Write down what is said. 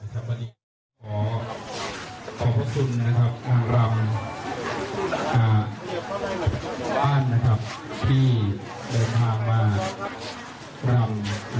ขอขอบคุณนะครับอารมณ์อารมณ์นะครับที่เดินทางมาอารมณ์นะครับ